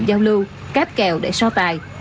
giao lưu cáp kèo để so tài